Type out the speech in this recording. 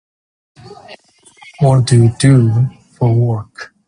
モアトゥーとぅーおワーク